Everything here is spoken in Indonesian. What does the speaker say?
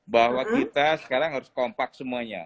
bahwa kita sekarang harus kompak semuanya